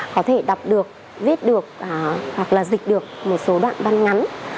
có thể đọc được viết được hoặc là dịch được một số đoạn ban ngắn